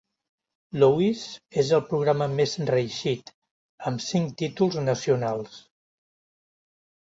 Louis és el programa més reeixit, amb cinc títols nacionals.